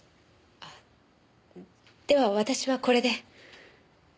あでは私はこれで。